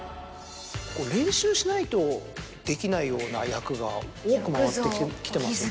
練習しないとできないような役が多く回ってきてますよね。